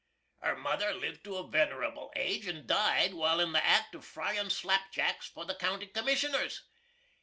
Her mother lived to a vener'ble age, and died while in the act of frying slapjacks for the County Commissioners.